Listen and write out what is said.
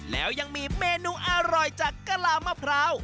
แล้วยังมีเมนูอร่อยจากกะลามะพร้าว